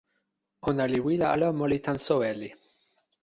ona li wile ala moli tan soweli.